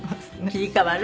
切り替わる？